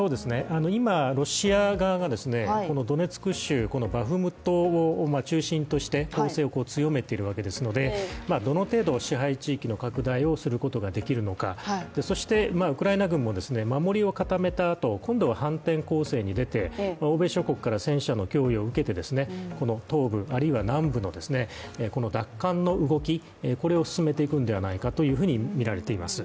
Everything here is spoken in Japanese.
今、ロシア側がドネツク州バフムトを中心として攻勢を強めているのでどの程度支配地域を拡大することができるのか、そしてウクライナ軍も守りを固めたあと今度は反転攻勢に出て欧米諸国から戦車の供与を受けて、この東部、あるいは南部の奪還の動きを進めていくんではないかとみられています。